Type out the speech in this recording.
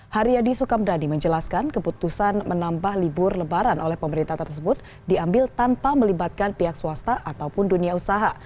haryadi sukamdhani menjelaskan keputusan menambah libur lebaran oleh pemerintah tersebut diambil tanpa melibatkan pihak swasta ataupun dunia usaha